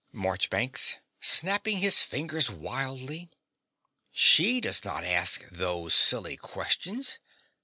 MARCHBANKS (snapping his fingers wildly). She does not ask those silly questions.